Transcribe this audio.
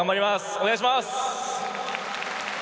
お願いします。